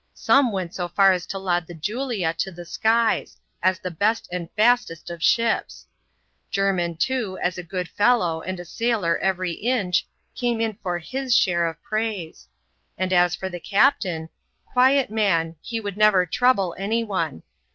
Some went so far as to laud the Julia to ^ skies, as the best and fastest of ships. Jermin, too, as a good fellow and a sailor every inch, came in for his share of pr^; and as for the captain — quiet man, he would never trouble any one.